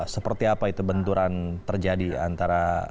seperti apa itu benturan terjadi antara